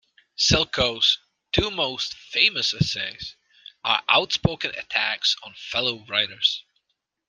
Silko's two most famous essays are outspoken attacks on fellow writers.